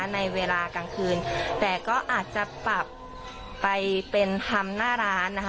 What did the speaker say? ในเวลากลางคืนแต่ก็อาจจะปรับไปเป็นทำหน้าร้านนะคะ